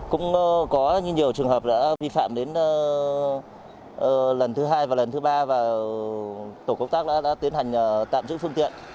cũng có nhiều trường hợp đã vi phạm đến lần thứ hai và lần thứ ba và tổ công tác đã tiến hành tạm giữ phương tiện